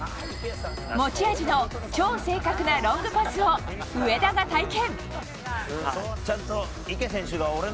持ち味の超正確なロングパスを上田が体験。